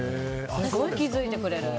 すごい気づいてくれる。